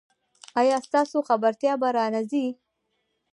ایا ستاسو خبرتیا به را نه ځي؟